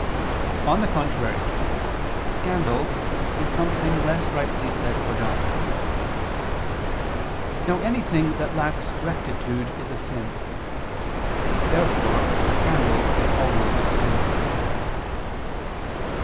On the contrary, Scandal is "something less rightly said or done." Now anything that lacks rectitude is a sin. Therefore scandal is always with sin.